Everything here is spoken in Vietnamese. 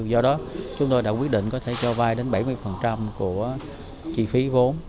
do đó chúng tôi đã quyết định có thể cho vai đến bảy mươi của chi phí vốn